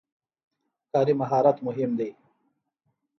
کاري مهارت مهم دی.